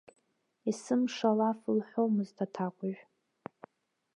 Есымша алаф лҳәомызт аҭакәажә.